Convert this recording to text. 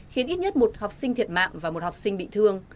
khiến ít nhất một học sinh thiệt mạng và một học sinh bị thương